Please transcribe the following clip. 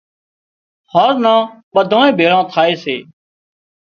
هانز نان ٻڌانئين ڀيۯان ٿائي سي